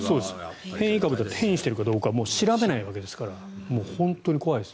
変異株変異しているかどうかもう調べないわけですから本当に怖いです。